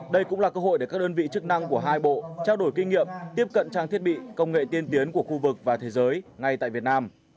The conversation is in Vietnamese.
đây cũng là cơ hội để các đơn vị chức năng của hai bộ trao đổi kinh nghiệm tiếp cận trang thiết bị công nghệ tiên tiến của khu vực và thế giới ngay tại việt nam